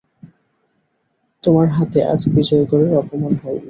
তোমার হাতে আজ বিজয়গড়ের অপমান হইল!